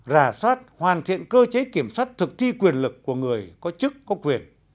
rà soát hoàn thiện cơ chế kiểm soát thực thi quyền lực của người có chức có quyền